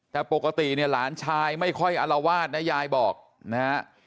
แต่ปกติเนี่ยหลานชายไม่ค่อยอารวาสนะยายบอกนะฮะ